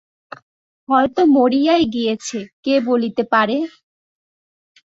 হয়তো মরিয়াই গিয়াছেঃ কে বলিতে পারে?